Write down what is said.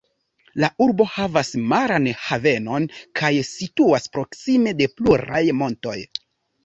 La urbo havas maran havenon kaj situas proksime de pluraj montoj.